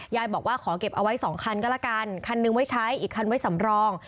ยายบอกว่าขอเก็บเอาไว้สองคันก็ละกันคันนึงไว้ใช้อีกคันไว้สำรอง